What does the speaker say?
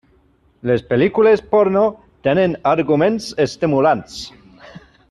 Les pel·lícules porno tenen arguments estimulants.